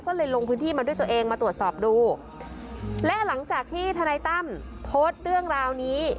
ก็เลยลงพื้นที่มาด้วยตัวเองมาตรวจสอบดูและหลังจากที่ทนายตั้มโพสต์เรื่องราวนี้